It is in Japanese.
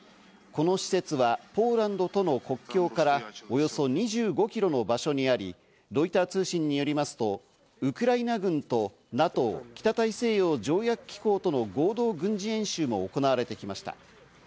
この施設はポーランドとの国境からおよそ２５キロの場所にあり、ロイター通信によりますと、ウクライナ軍とＮＡＴＯ＝北大西洋条約機構との合同軍事演習も行われてきました。